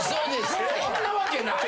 そんなわけない。